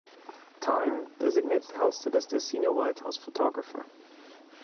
"Time" designated Halstead as their Senior White House Photographer.